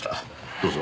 どうぞ。